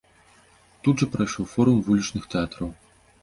Тут жа прайшоў форум вулічных тэатраў.